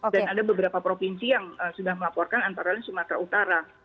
dan ada beberapa provinsi yang sudah melaporkan antaranya sumatera utara